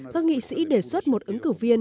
các nghị sĩ đề xuất một ứng cử viên